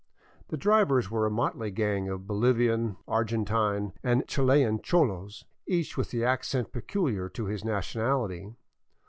The drivers were a motley gang of Bolivian, Argentine, and Chilian cholos, each with the accent peculiar to his nationality.